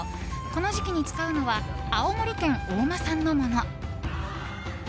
この時期に使うのは青森県大間産のもの。